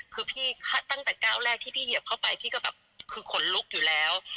คือพี่ตั้งแต่ก้าวแรกที่พี่เหยียบเข้าไปพี่ก็แบบคือขนลุกอยู่แล้ว